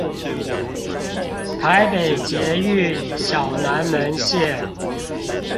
臺北捷運小南門線